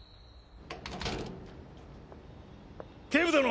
警部殿！